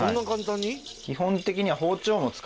基本的には。